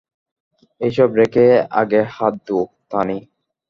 এসব রেখে আগে হাত ধোও, তানি।